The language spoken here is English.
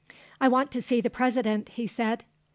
"I want to see the President," he said.